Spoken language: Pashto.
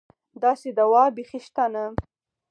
داسې دوا بېخي شته نه.